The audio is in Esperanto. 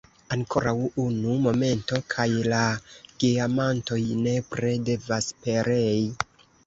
Ankoraŭ unu momento, kaj la geamantoj nepre devas perei!